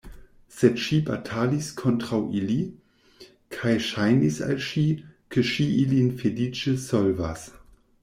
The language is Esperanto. Sed ŝi batalis kontraŭ ili, kaj ŝajnis al ŝi, ke ŝi ilin feliĉe solvas.